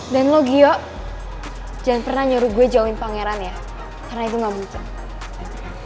dan lo gio jangan pernah nyuruh gue jauhin pangeran ya karena itu gak muncul